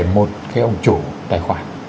một cái ổng chủ tài khoản